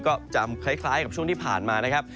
ก็จะคล้ายกับช่วงที่ผ่านมานะครับ